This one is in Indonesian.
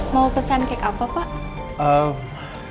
mau pesan kek apa pak